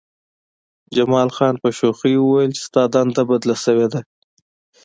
جمال خان په شوخۍ وویل چې ستا دنده بدله شوې ده